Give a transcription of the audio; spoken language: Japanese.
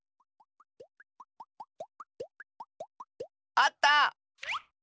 あった！